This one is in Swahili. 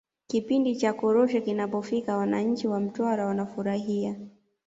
kipindi cha korosho kinapofika wananchi wa mtwara wanafurahia